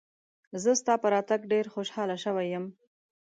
زه ستا په راتګ ډېر خوشاله شوی یم.